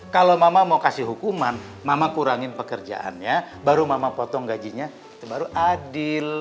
kalau mama mau kasih hukuman mama kurangin pekerjaannya baru mama potong gajinya baru adil